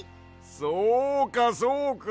そうかそうか！